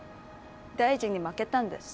大臣に負けたんです。